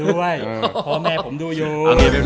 เพราะแม่ผมดูยู